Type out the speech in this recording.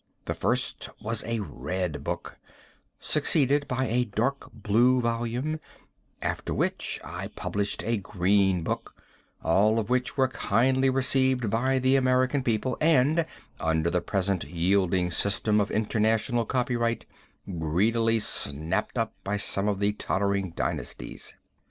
The first was a red book, succeeded by a dark blue volume, after which I published a green book, all of which were kindly received by the American people, and, under the present yielding system of international copyright, greedily snapped up by some of the tottering dynasties.